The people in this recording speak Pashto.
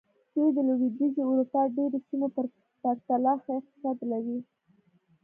دوی د لوېدیځې اروپا ډېرو سیمو په پرتله ښه اقتصاد لري.